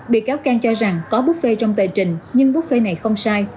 bị cáo cang cho rằng có bức phê trong tề trình nhưng bức phê này không sai